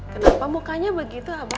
kenapa mukanya begitu abah